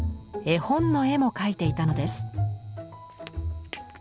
絵本の絵も描いていたのです。